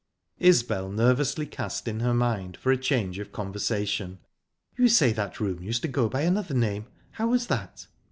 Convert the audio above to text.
Isbel nervously cast in her mind for a change of conversation. "You say that room used to go by another name. How was that?"